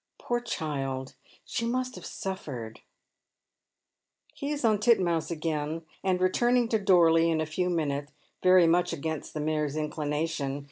Poor child, she must have suffered !" He is on Titmouse again and returning to Dorley in a few minutes, very much against the mare's inclination.